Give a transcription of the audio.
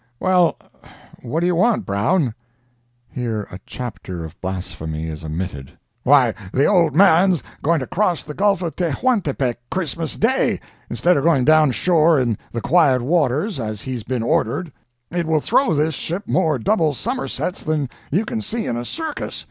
"Well, what do you want, Brown?" [Here a chapter of blasphemy is omitted.] "Why, the old man's going to cross the Gulf of Tehuantepec Christmas Day, instead of going down shore in the quiet waters, as he's been ordered. It will throw this ship more double summersets than you can see in a circus.